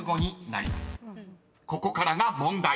［ここからが問題］